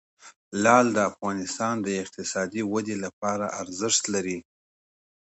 لعل د افغانستان د اقتصادي ودې لپاره ارزښت لري.